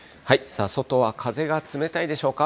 外は風が冷たいでしょうか。